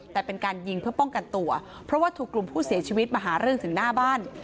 แต่เป็นการยิงเพื่อป้องกันตัวเพราะว่าถูกกลุ่มผู้เสียชีวิตมาหาเรื่องถึงหน้าบ้าน